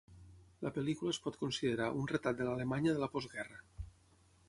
La pel·lícula es pot considerar un retrat de l'Alemanya de la postguerra.